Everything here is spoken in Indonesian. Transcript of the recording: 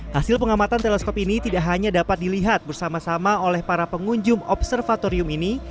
hasil pengamatan teleskop ini tidak hanya dapat dilihat bersama sama oleh para pengunjung observatorium ini